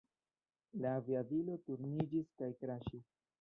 La aviadilo turniĝis kaj kraŝis.